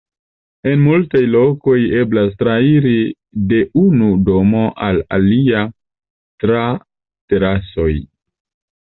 En multaj lokoj eblas trairi de unu domo al alia tra terasoj.